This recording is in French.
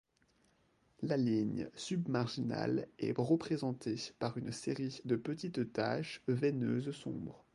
La ligne submarginale est représentée par une série de petites taches veineuses sombres.